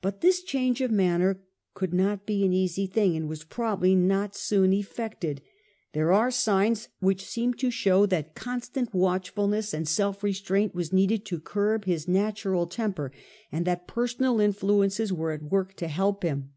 But this change of manner could not be an easy thing, and was probably not soon effected. There are signs Tiie change which seem to show that constant watchful eafiiy^^ ness and self restraint were needed to curb made. his natural temper, and that personal in iluences were at work to help him.